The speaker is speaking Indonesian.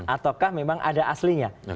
ataukah memang ada aslinya